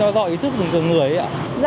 do ý thức từng người ấy ạ